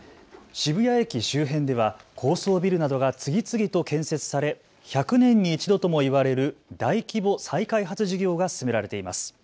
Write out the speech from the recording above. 渋谷駅周辺では高層ビルなどが次々と建設され、１００年に１度とも言われる大規模再開発事業が進められています。